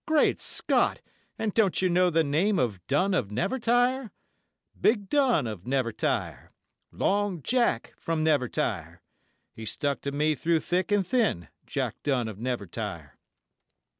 Great Scott! and don't you know the name of Dunn of Nevertire? Big Dunn of Nevertire, Long Jack from Nevertire; He stuck to me through thick and thin, Jack Dunn of Nevertire.